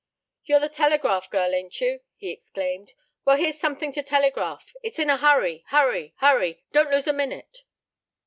"You're the telegraph girl, ain't you?" he exclaimed. "Well, here's something to telegraph. It's in a hurry, hurry, hurry. Don't lose a minute."